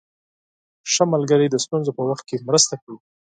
ښه ملګری د ستونزو په وخت کې مرسته کوي.